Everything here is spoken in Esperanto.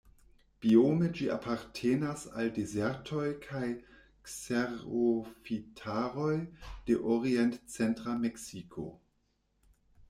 Biome ĝi apartenas al dezertoj kaj kserofitaroj de orient-centra Meksiko.